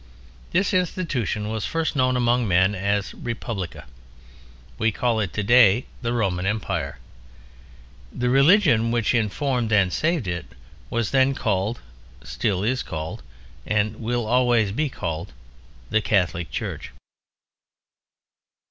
This institution was first known among men as Republica; we call it today "The Roman Empire." The Religion which informed and saved it was then called, still is called, and will always be called "The Catholic Church."